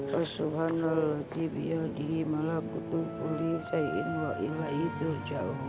rasuhan lelah tibiyadi malaputukuli say'in wa ila idul ja'um